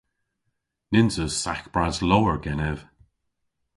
Nyns eus sagh bras lowr genev.